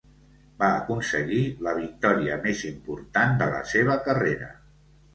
Va aconseguir la victòria més important de la seva carrera.